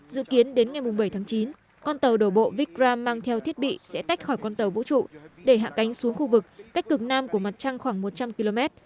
dự kiến đến ngày bảy tháng chín con tàu đổ bộ vikram mang theo thiết bị sẽ tách khỏi con tàu vũ trụ để hạ cánh xuống khu vực cách cực nam của mặt trăng khoảng một trăm linh km